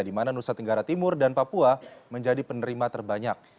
di mana nusa tenggara timur dan papua menjadi penerima terbanyak